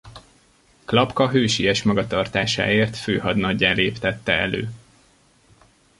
Klapka hősies magatartásáért főhadnaggyá léptette elő.